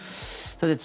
さて、